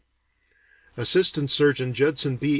Assistant Surgeon Judson B.